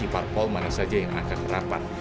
tidak memercinkan di mana saja yang angka kerapat